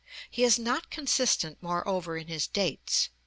He is not consistent, moreover, in his dates.